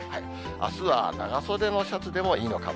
あすは長袖のシャツでもいいのかも。